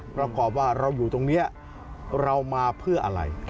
ประกอบว่าเราอยู่ตรงนี้เรามาเพื่ออะไร